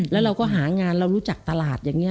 แล้วเราก็หางานเรารู้จักตลาดอย่างนี้